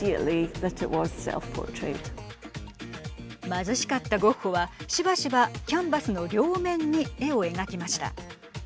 貧しかったゴッホはしばしば、キャンバスの両面に絵を描きました。